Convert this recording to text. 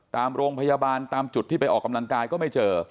ตามโรงพยาบาลตามจุดที่ไปออกกำลังกายก็ไม่เจอ